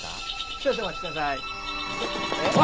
少々お待ちください。